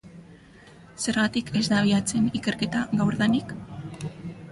Zergatik ez da abiatzen ikerketa gaurdanik?